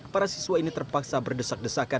para siswa ini terpaksa berdesak desakan